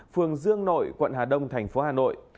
phường dương nội quận hà đông thành phố hà nội